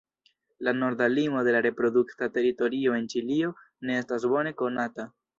La norda limo de la reprodukta teritorio en Ĉilio ne estas bone konata.